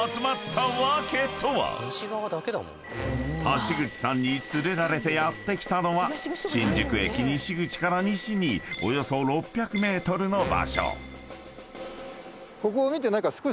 ［橋口さんに連れられてやって来たのは新宿駅西口から西におよそ６００ｍの場所］